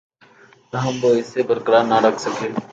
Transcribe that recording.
تاہم وہ اسے برقرار نہ رکھ سکے